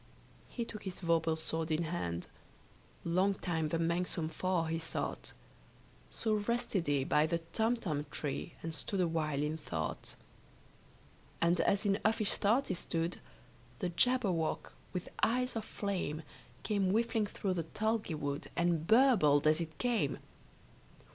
He took his vorpal sword in hand: Long time the manxome foe he sought. So rested he by the Tumtum tree, And stood awhile in thought. And as in uffish thought he stood, The Jabberwock with eyes of flame, Came whiffling through the tulgey wood, And burbled as it came!